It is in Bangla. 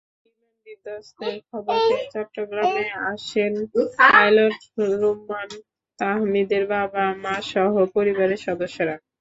বিমান বিধ্বস্তের খবর পেয়ে চট্টগ্রামে আসেন পাইলট রুম্মান তাহমিদের বাবা-মাসহ পরিবারের সদস্যরা।